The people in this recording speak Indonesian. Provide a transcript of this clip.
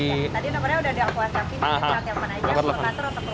tadi nomernya udah di whatsapp nya ini di chatnya